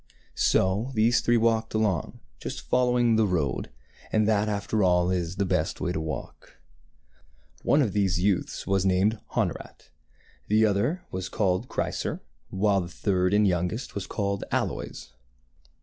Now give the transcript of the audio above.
So these three walked along, just following the road; and that, after all, is the best way to walk. One of these youths was named Honorat, the other was called Chrysor, while the third and youngest was called Aloys.